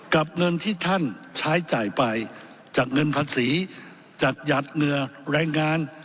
เงินที่ท่านใช้จ่ายไปจากเงินภาษีจากหยัดเหงื่อแรงงาน